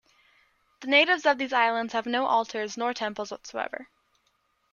The natives of these islands have no altars nor temples whatever.